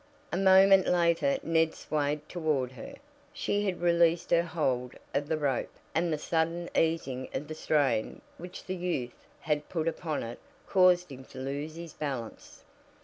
A moment later Ned swayed toward her. She had released her hold of the rope, and the sudden easing of the strain which the youth put upon it caused him to lose his balance.